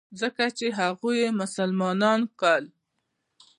ځکه چې هغوى يې مسلمانان کړل.